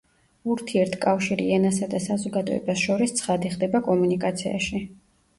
ურთიერთკავშირი ენასა და საზოგადოებას შორის ცხადი ხდება კომუნიკაციაში.